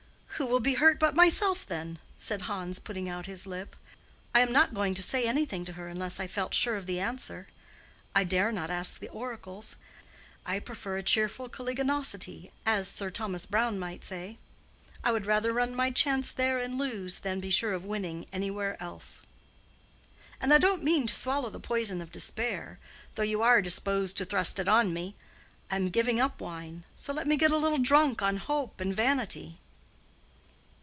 "Who will be hurt but myself, then?" said Hans, putting out his lip. "I am not going to say anything to her unless I felt sure of the answer. I dare not ask the oracles: I prefer a cheerful caliginosity, as Sir Thomas Browne might say. I would rather run my chance there and lose, than be sure of winning anywhere else. And I don't mean to swallow the poison of despair, though you are disposed to thrust it on me. I am giving up wine, so let me get a little drunk on hope and vanity."